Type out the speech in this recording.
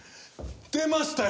出ましたよ！